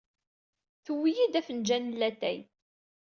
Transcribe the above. Tewwi-iyi-d afenǧal n latay.